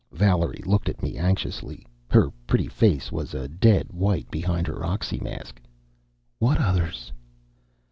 Valerie looked at me anxiously. Her pretty face was a dead white behind her oxymask. "What others?"